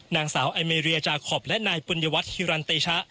นางสาวไอเมรียจาคอปและนายปุญญวัฒนฮิรันเตชะ